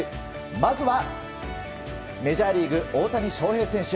まずはメジャーリーグ大谷翔平選手。